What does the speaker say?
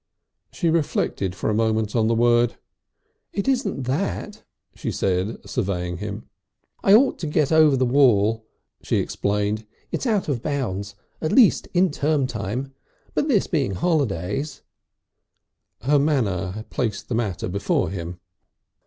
She reflected for a moment on the word. "It isn't that," she said, surveying him. "I oughtn't to get over the wall," she explained. "It's out of bounds. At least in term time. But this being holidays " Her manner placed the matter before him.